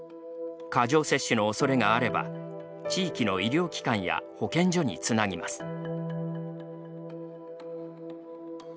過剰摂取のおそれがあれば地域の医療機関や保健所につなぎます。